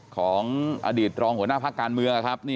ของอดีตรองหัวหน้าพักการเมืองนะครับ